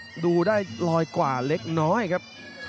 ดูได้ลอยกว่าเล็กน้อยครับ